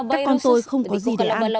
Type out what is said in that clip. các con tôi không có gì để ăn